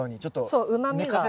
そううまみが。